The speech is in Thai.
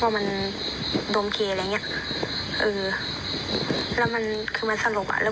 มันตายเพราะว่ามันนกเก